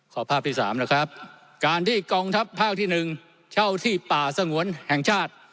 ภาพที่๓นะครับการที่กองทัพภาคที่๑เช่าที่ป่าสงวนแห่งชาติ